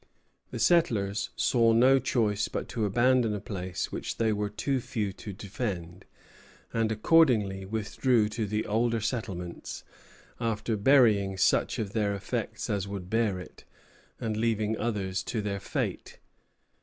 The settlers saw no choice but to abandon a place which they were too few to defend, and accordingly withdrew to the older settlements, after burying such of their effects as would bear it, and leaving others to their fate.